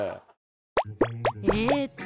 えっと